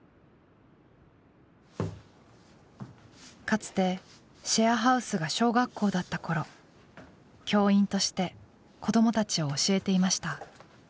かつてシェアハウスが小学校だった頃教員として子どもたちを教えていました。